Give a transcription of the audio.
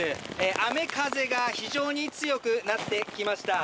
雨風が非常に強くなってきました。